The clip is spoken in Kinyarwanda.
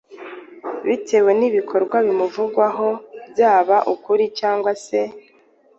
bitewe n’ibikorwa bimuvugwaho byaba ukuri cyangwa se